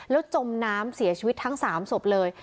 แล้วจมน้ำเสียชีวิตทั้ง๓ศพเลย